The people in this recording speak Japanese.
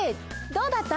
どうだった？